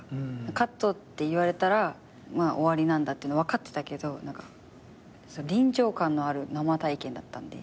「カット」って言われたら終わりなんだっていうの分かってたけど臨場感のある生体験だったんで。